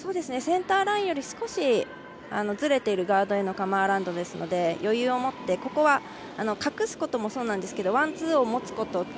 センターラインより少しずれているガードへのカム・アラウンドですので余裕を持って、ここは隠すこともそうなんですけどワン、ツーを持つこと。